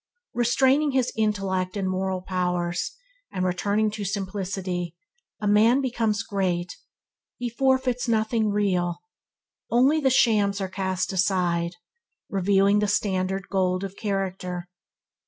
Retaining his intellect and moral powers, and returning to simplicity, a man becomes great. He forfeits nothing real. Only the shams are cast aside, revealing the standard gold of character.